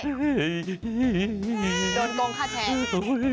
โดนโกงค่าแชร์